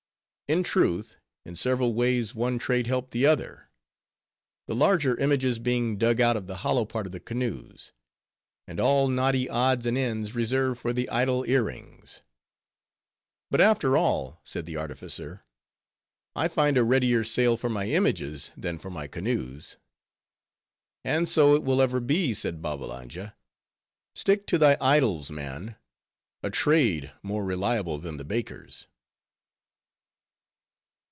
In truth, in several ways one trade helped the other. The larger images being dug out of the hollow part of the canoes; and all knotty odds and ends reserved for the idol ear rings. "But after all," said the artificer, "I find a readier sale for my images, than for my canoes." "And so it will ever be," said Babbalanja.—"Stick to thy idols, man! a trade, more reliable than the baker's."